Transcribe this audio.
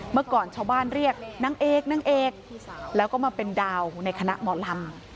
เมื่อก่อนชาวบ้านเรียกนางเอกนางเอกแล้วก็มาเป็นดาวในคณะหมอลำ